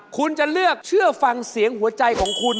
คุณจะเลือกเชื่อฟังเสียงหัวใจของคุณ